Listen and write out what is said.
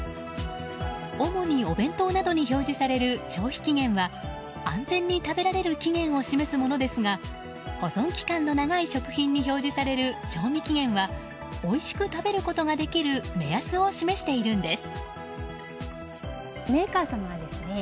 主にお弁当などに表示される消費期限は安全に食べられる期限を示すものですが保存期間の長い食品に表示される賞味期限はおいしく食べることができる目安を示しているんです。